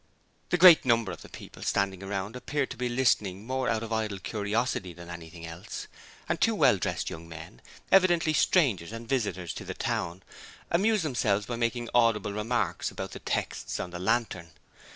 The great number of the people standing around appeared to be listening more out of idle curiosity than anything else, and two well dressed young men evidently strangers and visitors to the town amused themselves by making audible remarks about the texts on the lantern.